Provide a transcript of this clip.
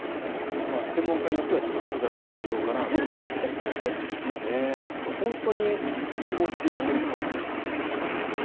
専門家によっては複雑な事情かなという感じですが本当に気持ちで行ってるってことですよ。